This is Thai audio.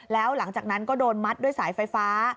แล้วหลังจากนั้นก็โดนมัดด้วยสายไฟฟ้า